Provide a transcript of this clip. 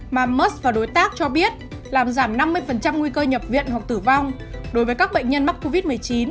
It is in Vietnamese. ma mers và đối tác cho biết làm giảm năm mươi nguy cơ nhập viện hoặc tử vong đối với các bệnh nhân mắc covid một mươi chín